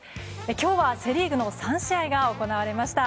今日はセ・リーグの３試合が行われました。